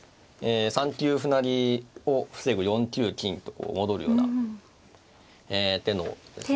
３九歩成を防ぐ４九金と戻るような手のですね。